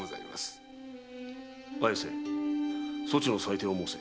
綾瀬そちの裁定を申せ。